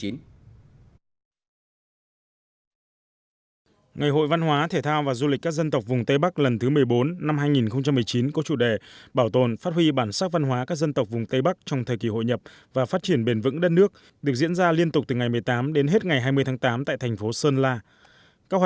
ngày hội văn hóa thể thao và du lịch các dân tộc vùng tây bắc lần thứ một mươi bốn năm hai nghìn một mươi chín có chủ đề bảo tồn phát huy bản sắc văn hóa các dân tộc vùng tây bắc trong thời kỳ hội nhập và phát triển bền vững đất nước được diễn ra liên tục từ ngày một mươi tám đến hết ngày hai mươi tháng tám tại thành phố sơn la